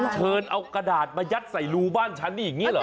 เชิญเอากระดาษมายัดใส่รูบ้านฉันนี่อย่างนี้เหรอ